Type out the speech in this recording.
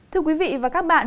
thưa quý vị và các bạn